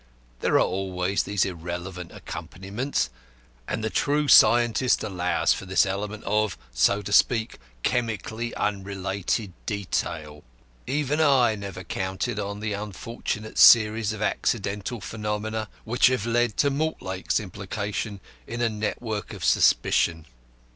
There are always these irrelevant accompaniments, and the true scientist allows for this element of (so to speak) chemically unrelated detail. Even I never counted on the unfortunate series of accidental phenomena which have led to Mortlake's implication in a network of suspicion.